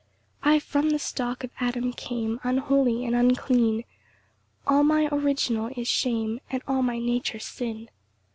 3 I from the stock of Adam came, Unholy and unclean; All my original is shame, And all my nature sin.